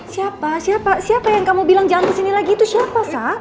siapa siapa yang kamu bilang jangan kesini lagi itu siapa sak